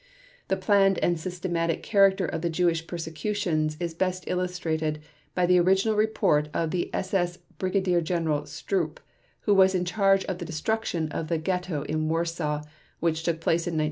The planned and systematic character of the Jewish persecutions is best illustrated by the original report of the SS Brigadier General Stroop, who was in charge of the destruction of the ghetto in Warsaw, which took place in 1943.